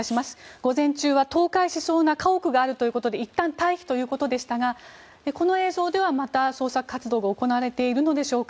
午前中は倒壊しそうな家屋があるということでいったん退避ということでしたがこの映像ではまた捜索活動が行われているのでしょうか。